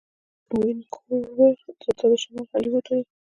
وینکوور ته د شمال هالیوډ وايي.